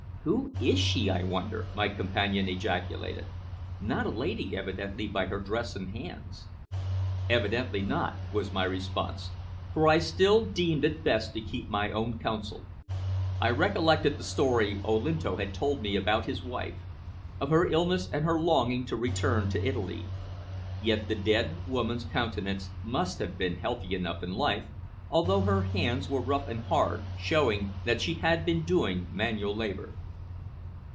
"Who is she, I wonder?" my companion ejaculated. "Not a lady, evidently, by her dress and hands." "Evidently not," was my response, for I still deemed it best to keep my own counsel. I recollected the story Olinto had told me about his wife; of her illness and her longing to return to Italy. Yet the dead woman's countenance must have been healthy enough in life, although her hands were rough and hard, showing that she had been doing manual labor.